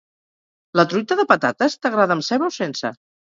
La truita de patates t'agrada amb ceba o sense?